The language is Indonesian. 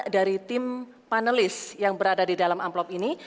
dari tim panelis yang berada di dalam amplop ini